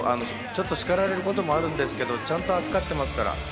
ちょっと叱られることもあるんですけど、ちゃんと扱ってますから。